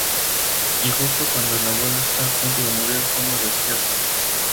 Y justo cuando el abuelo está a punto de morir, Homer despierta.